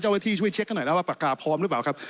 เจ้าไว้ที่ช่วยเช็คให้หน่อยนะครับว่าปากกาพร้อมหรือเปล่าครับ